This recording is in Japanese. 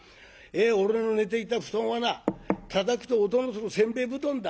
俺の寝ていた布団はなたたくと音のする煎餅布団だ。